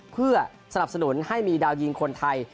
เพื่อสนับสนุนให้มีดาวยิงคนไทย